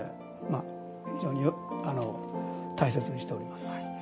非常に大切にしております。